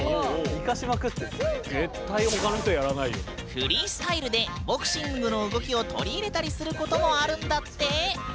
フリースタイルでボクシングの動きを取り入れたりすることもあるんだって！